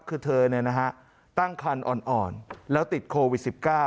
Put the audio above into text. คือเธอเนี่ยนะฮะตั้งคันอ่อนแล้วติดโควิด๑๙